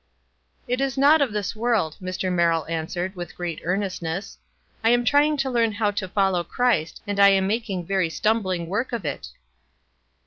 "It is not of this world," Mr. Merrill an swered, with great earnestness. "I am trying to learn how to follow Christ, and I am making very stumbling work of it."